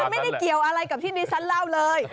ไม่ได้เกี่ยวอะไรกับที่ดิฉันเล่าเลย